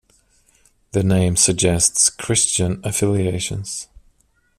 The name suggests Christian affiliations.